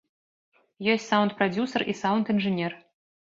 Ёсць саўнд-прадзюсар і саўнд-інжынер.